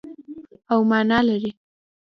او مانا لري.